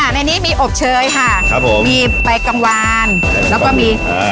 ในนี้มีอบเชยค่ะครับผมมีไปกังวานแล้วก็มีเอ่อ